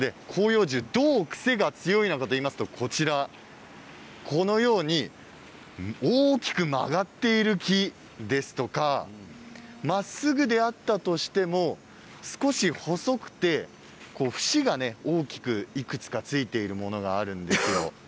癖がどう強いのかといいますと大きく曲がっている木ですとかまっすぐであったとしても少し細くて節が大きくいくつかついているものがあるんですよ。